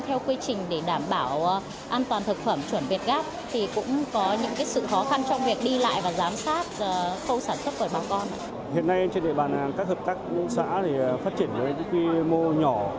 hiện nay trên địa bàn các hợp tác xã phát triển với mô nhỏ